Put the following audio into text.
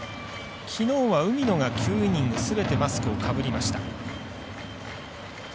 きのうは海野が９イニングすべてマスクをかぶりました。